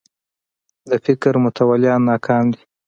د فکر متولیان ناکام دي